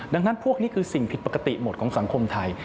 ดังนั้นพวกนี้คือสิ่งผิดปกติหมดของสังคมไทย